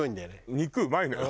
肉うまいのよ。